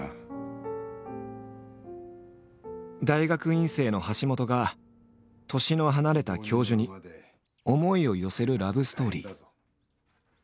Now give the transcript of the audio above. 大学院生の橋本が年の離れた教授に思いを寄せるラブストーリー。